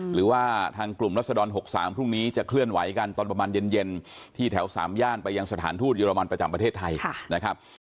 หรือว่าทางกลุ่มรัศดร๖๓พรุ่งนี้จะเคลื่อนไหวกันตอนประมาณเย็นที่แถว๓ย่านไปยังสถานทูตเยอรมันประจำประเทศไทยนะครับ